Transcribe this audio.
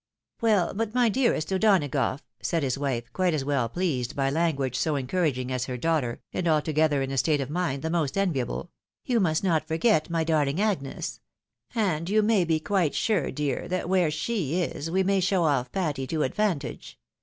" Well, but my dearest O'Donagough," said his wife, quite as well pleased by language so encouraging as her daughter, and altogether in a state of mind the most enviable, " you must not forget my darling Agues ! And you may be quite sure, dear, that where she is, we may show off Patty to advantage.